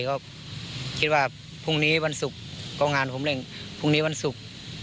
ก็คิดว่าพรุงนี้วันสุกกว้างงานผมเร่งพรุงนี้วันสุก